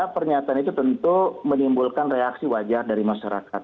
pernyataan itu tentu menimbulkan reaksi wajar dari masyarakat